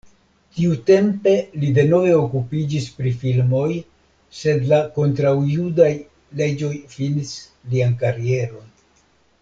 Tiutempe li denove okupiĝis pri filmoj, sed la kontraŭjudaj leĝoj finis lian karieron.